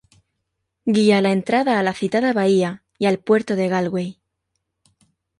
Guía la entrada a la citada bahía y al puerto de Galway.